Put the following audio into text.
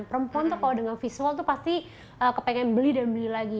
perempuan tuh kalau dengan visual tuh pasti kepengen beli dan beli lagi